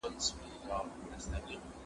زه هره ورځ چپنه پاکوم!؟